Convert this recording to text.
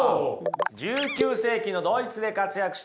１９世紀のドイツで活躍したニーチェです。